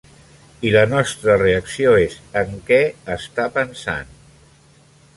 I la nostra reacció és, en què està pensant?